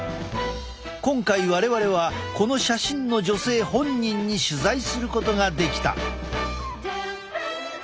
今回我々はこの写真の女性本人に取材することができた。